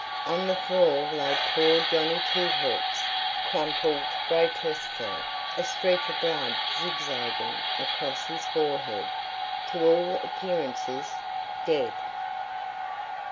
On the floor lay poor Johnny Two Hawks, crumpled grotesquely, a streak of blood zigzagging across his forehead; to all appearances, dead!